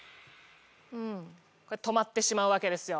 止まってしまうわけですよ